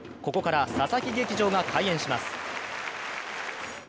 ここから佐々木劇場が開演します。